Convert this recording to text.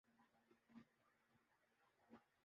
معیشت مستحکم مگر چیلنجز کا سامنا ہوگا وزارت خزانہ